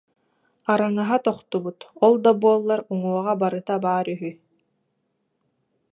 Араҥаһа тохтубут, ол да буоллар уҥуоҕа барыта баар үһү